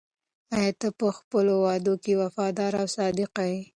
آیا ته په خپلو وعدو کې وفادار او صادق یې؟